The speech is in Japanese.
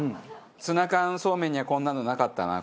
ツナ缶そうめんにはこんなのなかったな。